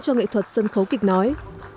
cho nghệ thuật sân khấu kịch nói